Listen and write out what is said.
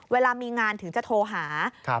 เวลามีงานถึงจะโทรหา